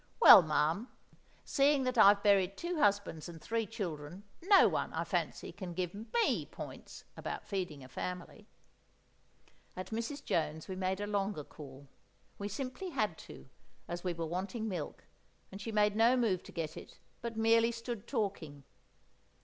"Well, ma'am, seeing that I've buried two husbands and three children, no one, I fancy, can give me points about feeding a family!" At Mrs. Jones's we made a longer call; we simply had to, as we were wanting milk, and she made no move to get it, but merely stood talking.